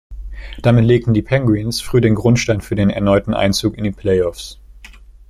Damit legten die Penguins früh den Grundstein für den erneuten Einzug in die Play-offs.